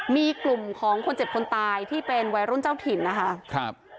มีกลุ่มของคนเจ็บคนตายที่เป็นวัยรุ่นเจ้าถิ่นนะคะครับ